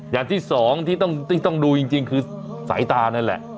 อย่างที่สองที่ต้องดูจริงคือสายตานั่นแหละ